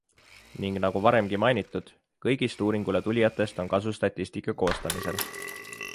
Ning nagu varemgi mainitud, kõigist uuringule tulijatest on kasu statistika koostamisel.